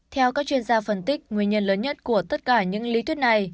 theo các chuyên gia phân tích nguyên nhân lớn nhất của tất cả những lý thuyết này